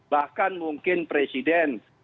bahkan mungkin presiden